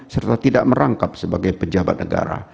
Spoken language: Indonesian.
serta tidak merangkap sebagai pejabat negara